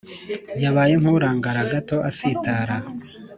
yabaye nk’urangara gato asitara